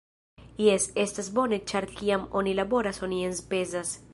Jes, estas bone ĉar kiam oni laboras oni enspezas